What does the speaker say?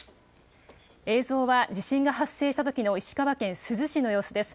映像は地震が発生したときの石川県珠洲市の様子です。